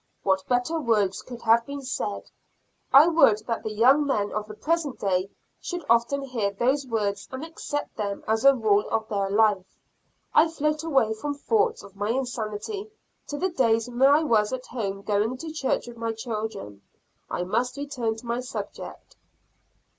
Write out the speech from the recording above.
What better words could have been said; I would that the young men of the present day should often hear those words and accept them as a rule of their life. I float away from thoughts of my insanity to the days when I was at home going to church with my children. I must return to my subject.